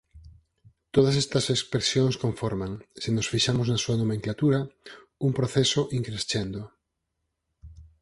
Todas estas expresións conforman, se nos fixamos na súa nomenclatura, un proceso "in crescendo":